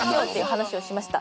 話をしました。